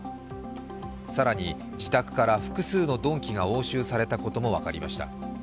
更に自宅から複数の鈍器が押収されたことも分かりました。